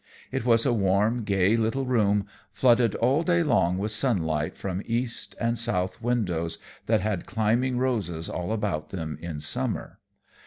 It was a warm, gay little room, flooded all day long with sunlight from east and south windows that had climbing roses all about them in summer.